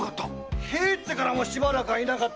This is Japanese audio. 入ってからもしばらくは居なかったよ！